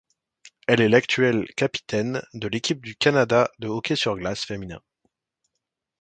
Elle est l'actuel capitaine de l'Équipe du Canada de hockey sur glace féminin.